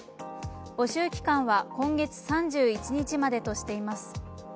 募集期間は今月３１日までとしています。